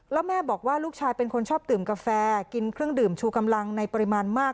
แล้วแม่บอกว่าลูกชายเป็นคนชอบดื่มกาแฟกินเครื่องดื่มชูกำลังในปริมาณมาก